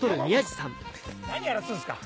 何やらすんっすか。